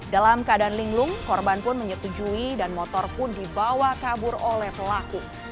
dalam keadaan linglung korban pun menyetujui dan motor pun dibawa kabur oleh pelaku